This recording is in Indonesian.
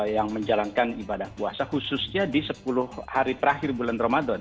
yang menjalankan ibadah puasa khususnya di sepuluh hari terakhir bulan ramadan